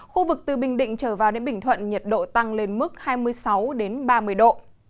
khu vực từ bình định trở vào đến bình thuận nhiệt độ tăng lên mức hai mươi sáu ba mươi độ